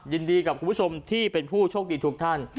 ยินดีกับคุณผู้ชมที่เป็นผู้โชคดีทุกท่าน